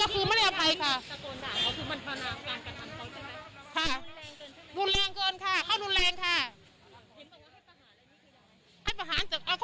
พี่ดูโมโห